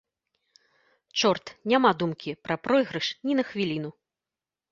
Чорт, няма думкі пра пройгрыш, ні на хвіліну.